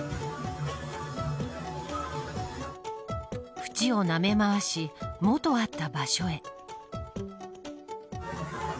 ふちをなめ回し元あった場所へ。